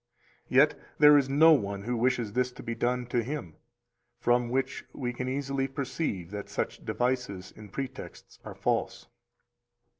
Yet there is no one who wishes this to be done to him; from which we can easily perceive that such devices and pretexts are false.